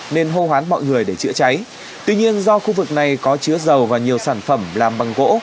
nên hô hoán mọi người để chữa cháy tuy nhiên do khu vực này có chứa dầu và nhiều sản phẩm làm bằng gỗ